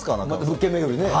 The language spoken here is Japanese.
物件巡りね。